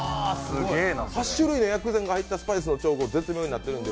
８種類の薬膳が入った調合、絶妙になってるんで、